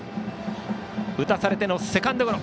打たされてのセカンドゴロ。